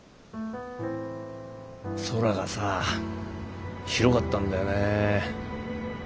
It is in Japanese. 空がさ広かったんだよね。